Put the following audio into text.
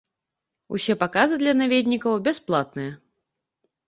Усе паказы для наведнікаў бясплатныя.